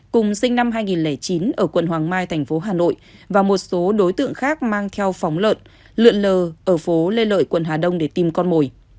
cùng sinh năm hai nghìn chín ở quận hoàng mai thành phố hà nội và một số đối tượng khác mang theo phóng lợn lượn lờ ở phố lê lợi quận hà đông để tìm con mồi